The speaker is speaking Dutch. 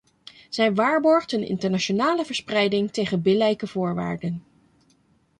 Zij waarborgt een internationale verspreiding tegen billijke voorwaarden.